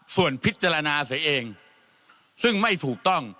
ส่วนพิจารณาเสียเองซึ่งไม่ถูกต้อง